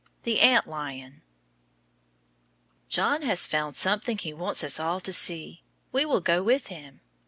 THE ANT LION John has found something he wants us all to see. We will go with him.